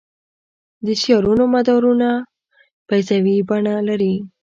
د سیارونو مدارونه بیضوي بڼه لري.